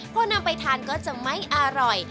พอนำไปทานก็จะไม่อร่อย